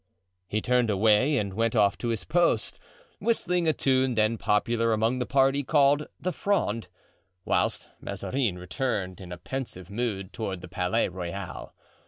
He turned away and went off to his post, whistling a tune then popular among the party called the "Fronde," whilst Mazarin returned, in a pensive mood, toward the Palais Royal.